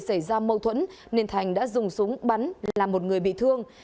xảy ra mâu thuẫn nên thành đã dùng súng bắn làm một người bị thương